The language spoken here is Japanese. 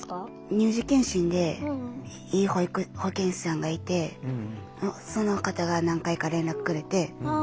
乳児健診でいい保健師さんがいてその方が何回か連絡くれて相談するようになりました。